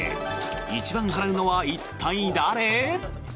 一番払うのは、一体誰？